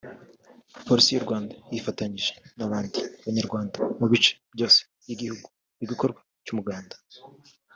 Polisi y’u Rwanda yifatanyije n’abandi banyarwanda mu bice byose by’igihugu mu gikorwa cy’umuganda